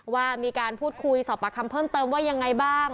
ว่ามีการพูดคุยสอบปากคำเพิ่มเติมว่ายังไงบ้าง